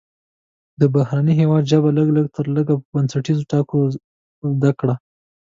د بهرني هیواد ژبه لږ تر لږه په بنسټیزو ټکو زده کړه.